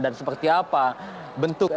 dan seperti apa bentuk